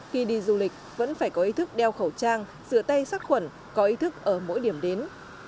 khi đi du lịch vẫn phải có ý thức đeo khẩu trang rửa tay sát khuẩn có ý thức ở mỗi điểm đến